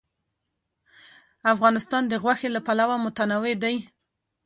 افغانستان د غوښې له پلوه متنوع دی.